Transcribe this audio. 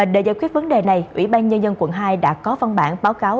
để giải quyết vấn đề này ủy ban nhân dân quận hai đã có văn bản báo cáo